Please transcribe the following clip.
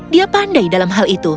dia pandai dalam hal itu